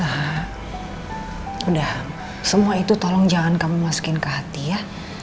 ah udah semua itu tolong jangan kamu masukin ke hati ya